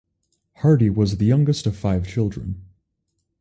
Hardy was the youngest of five children.